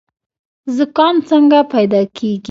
زکام څنګه پیدا کیږي؟